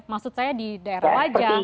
maksud saya di daerah wajang